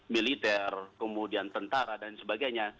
militer kemudian tentara dan sebagainya